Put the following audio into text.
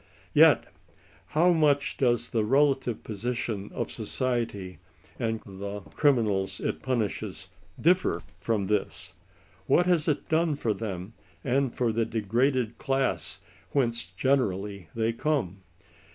Yet how much does the relative position of society and the criminals it punishes differ from this ? What has it done for them, and for the degraded class whence generally they come